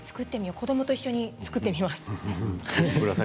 子どもと一緒に作ってみます。